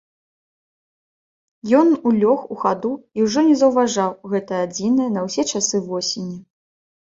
Ён улёг у хаду і ўжо не заўважаў гэтае адзінае на ўсе часы восені.